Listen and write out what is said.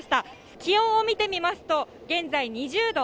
気温を見てみますと、現在２０度。